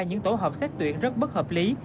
những tổ hợp xét tuyển rất bất hợp lý